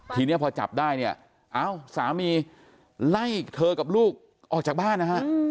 ทีนี้พอจับได้เนี่ยเอ้าสามีไล่เธอกับลูกออกจากบ้านนะฮะ